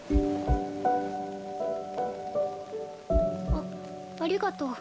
あありがとう。